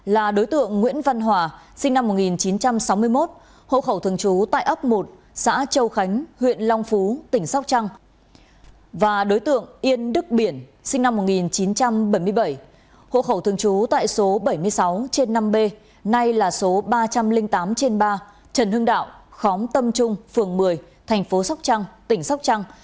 là đối tượng nguyễn văn hòa sinh năm một nghìn chín trăm sáu mươi một hộ khẩu thường trú tài ấp một xã châu khánh huyện long phú tỉnh sóc trăng và đối tượng yên đức biển sinh năm một nghìn chín trăm bảy mươi bảy hộ khẩu thường trú tài số bảy mươi sáu trên năm b nay là số ba trăm linh tám trên ba trần hưng đạo khóm tâm trung phường một mươi thành phố sóc trăng tỉnh sóc trăng